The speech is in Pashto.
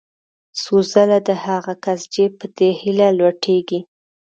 څو ځله د هغه کس جېب په دې هیله لوټېږي.